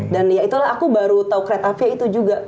dan ya itulah aku baru tau kereta api itu juga